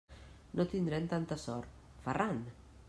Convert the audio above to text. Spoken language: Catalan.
No tindrem tanta sort, Ferran!